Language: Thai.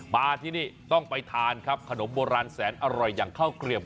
มาที่นี่ต้องไปทานครับขนมโบราณแสนอร่อยอย่างข้าวเกลียบ